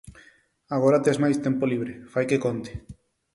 Agora tes máis tempo libre, fai que conte.